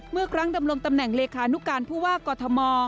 เมื่อครั้งดำรงตำแหน่งเลขานุการผู้ว่ากอทม